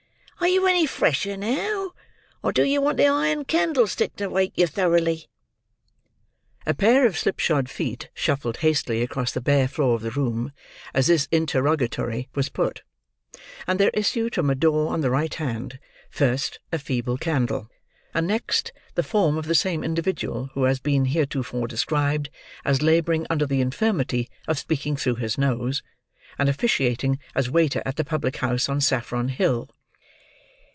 Are you any fresher now, or do you want the iron candlestick to wake you thoroughly?" A pair of slipshod feet shuffled, hastily, across the bare floor of the room, as this interrogatory was put; and there issued, from a door on the right hand; first, a feeble candle: and next, the form of the same individual who has been heretofore described as labouring under the infirmity of speaking through his nose, and officiating as waiter at the public house on Saffron Hill.